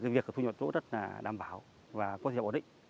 việc thu nhuận tố rất đảm bảo và có thể ổn định